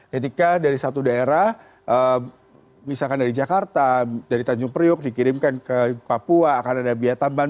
ketika dari satu daerah misalkan dari jakarta dari tanjung priuk dikirimkan ke papua akan ada biaya tambahan